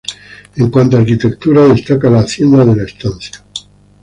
En cuanto a arquitectura destaca la Hacienda de la Estancia.